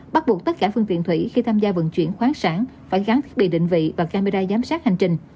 bắt buộc tất cả phương tiện thủy khi tham gia vận chuyển khoáng sản phải gắn thiết bị định vị và camera giám sát hành trình